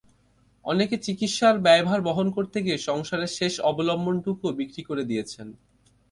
অনেকে চিকিৎসার ব্যয়ভার বহন করতে গিয়ে সংসারের শেষ অবলম্বনটুকুও বিক্রি করে দিয়েছেন।